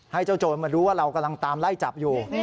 ให้เจ้าโจรมารู้ว่าเรากำลังตามไล่จับอยู่